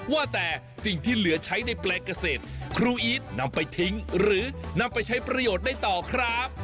ว่าแต่สิ่งที่เหลือใช้ในแปลงเกษตรครูอีทนำไปทิ้งหรือนำไปใช้ประโยชน์ได้ต่อครับ